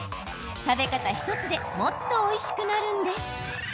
食べ方１つでもっとおいしくなるんです。